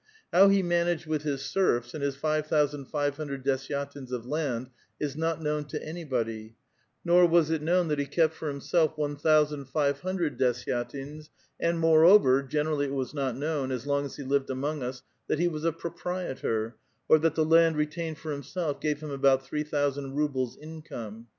^ How he managed with his serfs, and his five thousand five hundred desyaiins of land is not knowli to anybody, nor was it known that he kept for himself one thousand five hundred desyatins^ and, moreover, generally it was not known, as long as he lived among us, that he was a proprietor,* or that the land retained for himself gave him about three thousand iiibles income.